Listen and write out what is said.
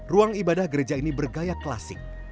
ruang ibadah gereja ini bergaya klasik